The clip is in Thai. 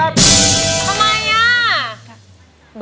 ไม่ใช่ค่ะ